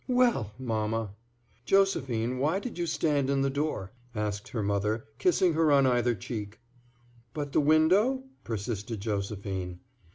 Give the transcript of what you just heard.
"Well! mamma." "Josephine, why did you stand in the door?" asked her mother, kissing her on either cheek. "But the window?" persisted Josephine.